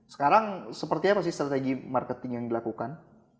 sekarang seperti apa sih strategi marketing yang dilakukan